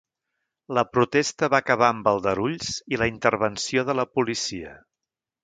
La protesta va acabar amb aldarulls i la intervenció de la policia.